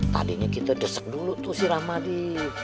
tadinya kita desek dulu tuh si rahmadi